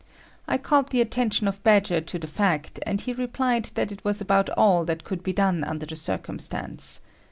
I called the attention of Badger to the fact, and he replied that that was about all that could be done under the circumstance.